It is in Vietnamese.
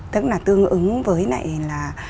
tức là tương ứng với này là